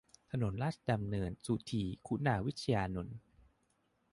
ถนนราชดำเนิน สุธี คุณาวิชยานนท์